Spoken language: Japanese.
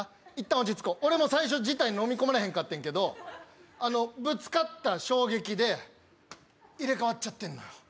俺も最初、事態のみ込まれへんかったけど、ぶつかった衝撃で入れ替わっちゃってるの。